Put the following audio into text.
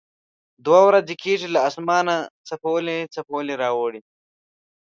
دوه ورځې کېږي له اسمانه څپولی څپولی را اوري.